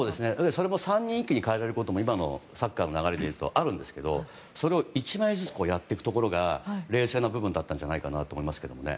それも３人一気に代えられることも今のサッカーの流れでいうとあるんですけどそれを１枚ずつやっていくところが冷静な部分だったんじゃないかと思いますけどね。